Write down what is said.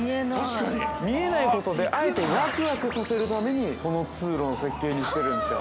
見えないことで、あえて、わくわくさせるために、この通路の設計にしてるんですよ。